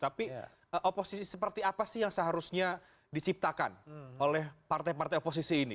tapi oposisi seperti apa sih yang seharusnya diciptakan oleh partai partai oposisi ini